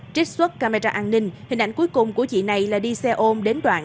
trích xuất camera an ninh hình ảnh cuối cùng của chị này là đi xe ôm đến đoạn